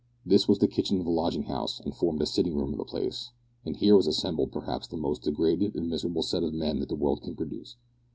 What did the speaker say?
This was the kitchen of the lodging house, and formed the sitting room of the place; and here was assembled perhaps the most degraded and miserable set of men that the world can produce.